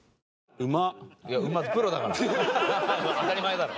当たり前だろ。